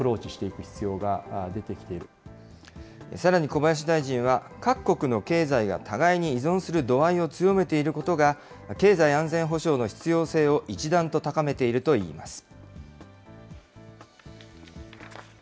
小林大臣は、各国の経済が互いに依存する度合いを強めていることが、経済安全保障の必要性を一段と高めているといいます。